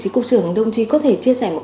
chí cụ trưởng đồng chí có thể chia sẻ một